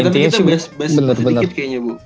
tapi kita bahas sedikit kayaknya bu